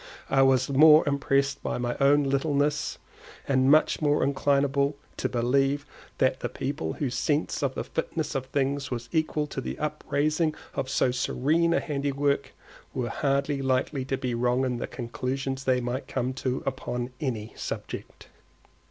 I was more impressed with my own littleness, and much more inclinable to believe that the people whose sense of the fitness of things was equal to the upraising of so serene a handiwork, were hardly likely to be wrong in the conclusions they might come to upon any subject.